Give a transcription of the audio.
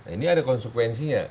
ini ada konsekuensinya